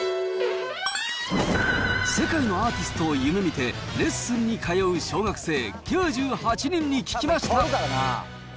世界のアーティストを夢みてレッスンに通う小学生９８人に聞きました。